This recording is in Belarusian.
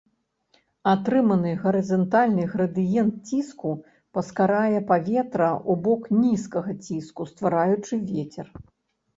Атрыманы гарызантальны градыент ціску паскарае паветра ў бок нізкага ціску, ствараючы вецер.